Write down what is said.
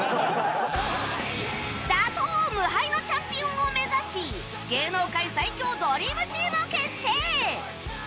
打倒無敗のチャンピオンを目指し芸能界最強ドリームチームを結成